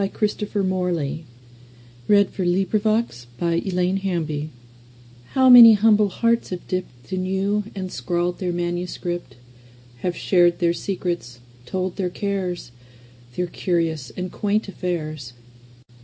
Christopher Morley1890–1957 To a Post Office Inkwell HOW many humble hearts have dippedIn you, and scrawled their manuscript! Have shared their secrets, told their cares, Their curious and quaint affairs!